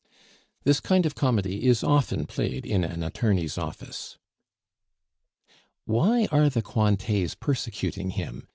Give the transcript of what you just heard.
This kind of comedy is often played in an attorney's office. "Why are the Cointets persecuting him?"